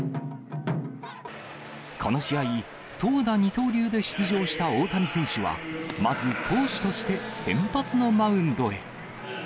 この試合、投打二刀流で出場した大谷選手は、まず投手として先発のマウンドへ。